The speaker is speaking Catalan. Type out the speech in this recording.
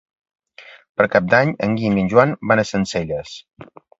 Per Cap d'Any en Guim i en Joan van a Sencelles.